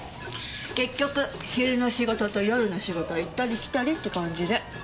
結局昼の仕事と夜の仕事を行ったり来たりって感じで。